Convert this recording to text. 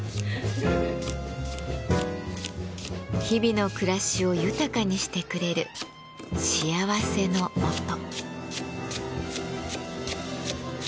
日々の暮らしを豊かにしてくれる幸せの音。